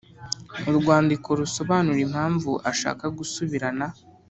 urwandiko rusobanura impamvu ashaka gusubirana